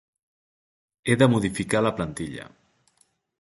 He de modificar la plantilla.